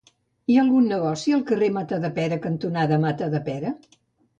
Hi ha algun negoci al carrer Matadepera cantonada Matadepera?